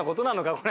これ。